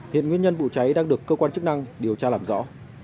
hiện nguyên nhân vụ cháy đang được cơ quan chức năng điều tra làm rõ